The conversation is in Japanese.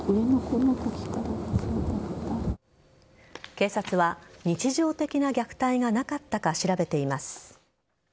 警察は日常的な虐待がなかったか調べています。